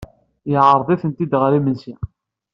Yeɛreḍ-iten-id ɣer yimensi.